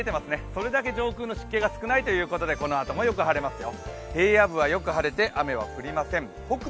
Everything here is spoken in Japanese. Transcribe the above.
それだけ上空の湿気が少ないということでこのあともよく晴れますよ。